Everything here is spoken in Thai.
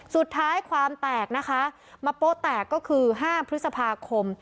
สุดท้ายความแตกนะคะมาโป๊ะแตกก็คือ๕พฤษภาคม